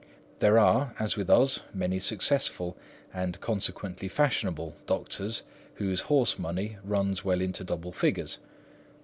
There are, as with us, many successful, and consequently fashionable, doctors whose "horse money" runs well into double figures.